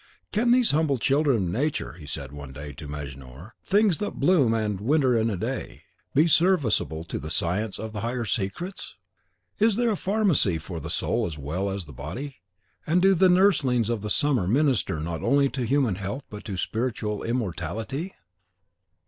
"Can these humble children of Nature," said he one day to Mejnour, "things that bloom and wither in a day, be serviceable to the science of the higher secrets? Is there a pharmacy for the soul as well as the body, and do the nurslings of the summer minister not only to human health but spiritual immortality?"